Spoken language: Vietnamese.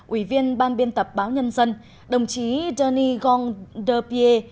ủy viên ban biên tập báo nhân dân đồng chí denis gondepierre